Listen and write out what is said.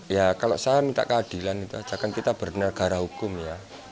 ya kalau saya minta keadilan jangan kita berdenegara hukum ya